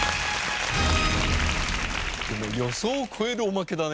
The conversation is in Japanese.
でも予想を超えるおまけだね。